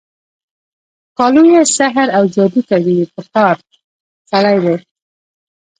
ښکالو یې سحراوجادوکوي په ښار، سړی دی